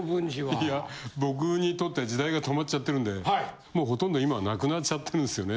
いや僕にとっては時代が止まっちゃってるんでもうほとんど今はなくなっちゃってるんですよね。